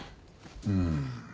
うん。